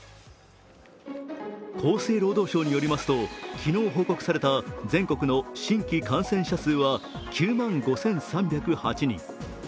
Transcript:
厚生労働省によりますと昨日報告された全国の新規感染者数は９万５３０８人。